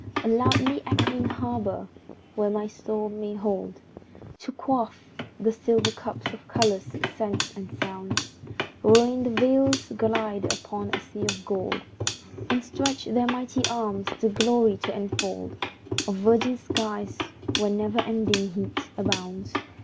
A loudly echoing harbour, where my soul may hold To quaff, the silver cup of colours, scents and sounds, Wherein the vessels glide upon a sea of gold, And stretch their mighty arms, the glory to enfold Of virgin skies, where never ending heat abounds.